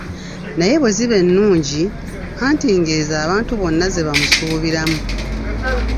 Naye bwe ziba ennungi, anti ng'ezo abantu bonna ze bamusuubiramu.